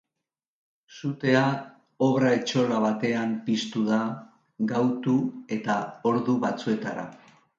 Sutea obra-etxola batean piztu da, gautu eta ordu batzuetara.